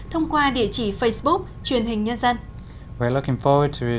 thông qua địa chỉ của chúng tôi